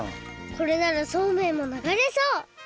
これならそうめんもながれそう！